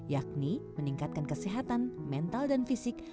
yakni meningkatkan kesehatan mental dan fisik